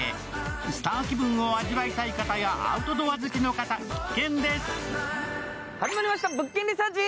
スター気分を味わいたい方やアウトドア好きの方、必見です！